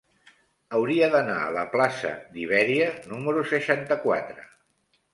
Hauria d'anar a la plaça d'Ibèria número seixanta-quatre.